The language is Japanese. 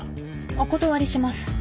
お断りします。